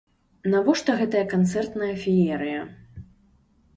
Навошта гэтая канцэртная феерыя?